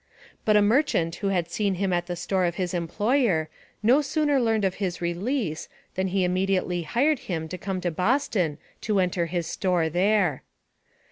But a merchant who had seen him at the store of his employer, no sooner learned of his release than he immediately hired him to come to Boston to enter his store there.